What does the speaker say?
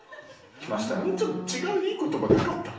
もうちょっと違ういい言葉なかった？